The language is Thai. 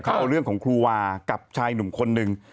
เขาเอาเรื่องของครูวากับชายหนุ่มคนหนึ่ง